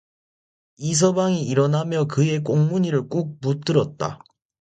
이서방이 일어나며 그의 꽁무니를 꾹 붙들었다.